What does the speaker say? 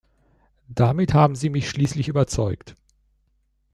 Damit haben sie mich schließlich überzeugt.